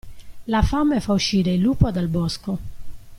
La fame fa uscire il lupo dal bosco.